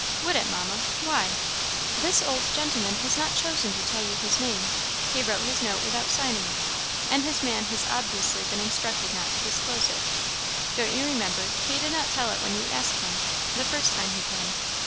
"Would it, Mamma? why?" "This old gentleman has not chosen to tell you his name; he wrote his note without signing it, and his man has obviously been instructed not to disclose it. Don't you remember, he did not tell it when you asked him, the first time he came?